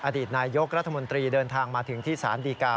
อดิษย์นายยกรัฐมนตรีเดินทางมาถึงที่ศานดีการณ์